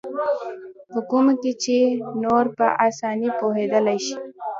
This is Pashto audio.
په کومو چې نور په اسانۍ پوهېدلای شي.